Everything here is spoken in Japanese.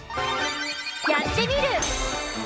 「やってみる。」。